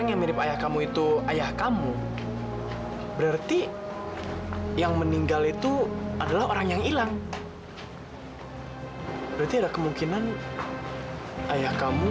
sampai jumpa di video selanjutnya